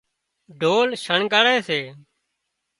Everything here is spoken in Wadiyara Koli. ڍول شڻڳاري سي